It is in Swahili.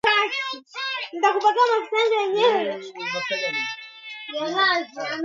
Viungo hivyo ni kama tangawizi mdalasini uzile hiliki pilipili manga manjano na vinginevyo